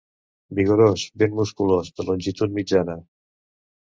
Vigorós, ben musculós, de longitud mitjana.